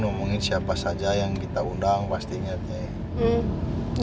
ngomongin siapa saja yang kita undang pasti ingat ya